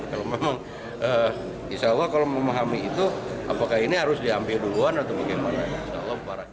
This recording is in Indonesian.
kalau memang insya allah kalau memahami itu apakah ini harus diambil duluan atau bagaimana